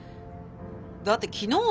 だって昨日は。